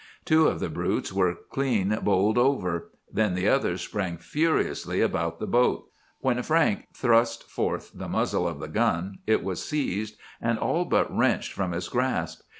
Two of the brutes were clean bowled over. Then the others sprang furiously upon the boat. When Frank thrust forth the muzzle of the gun, it was seized and all but wrenched from his grasp.